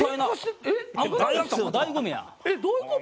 あっ！